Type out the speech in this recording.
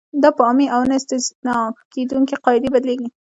دا په عامې او نه استثنا کېدونکې قاعدې بدلیږي.